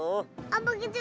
oh begitu om